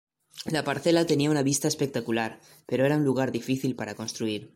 La parcela tenía una vista espectacular, pero era un lugar difícil para construir.